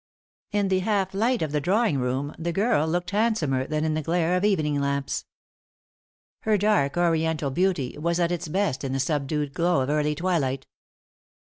In the half light of the drawing room, the girl looked handsomer than in the glare of evening lamps. Her dark, oriental beauty was at its best in the subdued glow of early twilight.